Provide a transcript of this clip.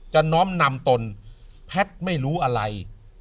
น้อมนำตนแพทย์ไม่รู้อะไร